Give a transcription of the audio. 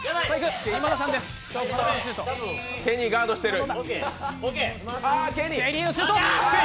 ケニー、ガードしてる。